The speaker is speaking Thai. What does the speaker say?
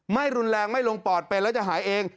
ไม่รุนแรงไม่ลงปอดเป็นแล้วจะหายเอง